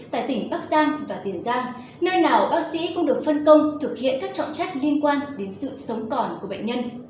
tại tỉnh bắc giang và tiền giang nơi nào bác sĩ cũng được phân công thực hiện các trọng trách liên quan đến sự sống còn của bệnh nhân